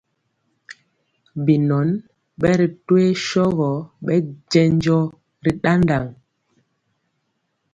Binɔn ɓɛ ri toyee sɔgɔ ɓɛ jɛnjɔ ri ɗaɗaŋ.